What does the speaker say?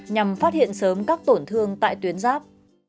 nhằm phát hiện sớm các tổn thương tại tuyến giáp